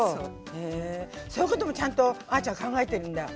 へえそういうこともちゃんとあちゃん考えてるんだ。